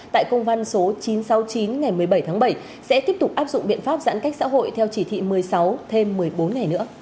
tại công văn số chín trăm sáu mươi chín ngày một mươi bảy tháng bảy sẽ tiếp tục áp dụng biện pháp giãn cách xã hội theo chỉ thị một mươi sáu thêm một mươi bốn ngày nữa